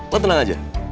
lo tenang aja